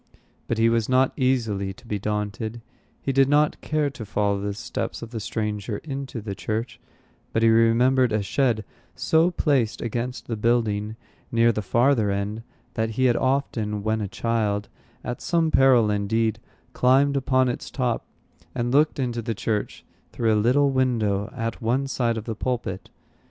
But he was not easily to be daunted. He did not care to follow the steps of the stranger into the church; but he remembered a shed so placed against the building, near the farther end, that he had often, when a child, at some peril indeed, climbed upon its top, and looked into the church through a little window at one side of the pulpit.